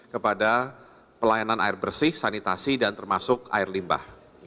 kepada pelayanan air bersih sanitasi dan termasuk air limbah